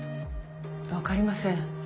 分かりません。